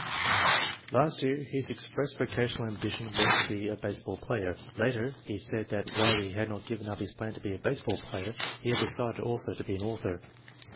"Last year his expressed vocational ambition was FORTY ONE SUPERIOR CHILDREN 257 to be a baseball player. Later, he said that while he h&d not given up his plan to be a baseball player, he had decided also to be an author.